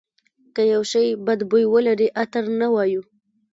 که یو شی بد بوی ولري عطر نه وایو.